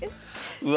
うわ。